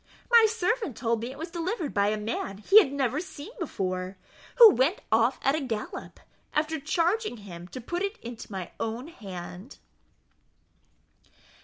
My servant told me it was delivered by a man he had never seen before, who went off at the gallop, after charging him to put it into my own hand."